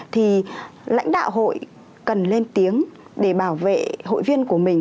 thì lãnh đạo hội cần lên tiếng để bảo vệ hội viên của mình